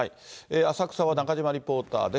浅草は中島リポーターです。